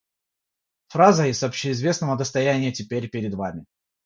Фраза из общественного достояния теперь перед Вами!